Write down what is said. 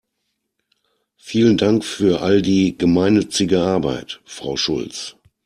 Vielen Dank für all die gemeinnützige Arbeit, Frau Schulz!